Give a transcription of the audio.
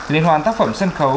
liên hoan tác phẩm sân khấu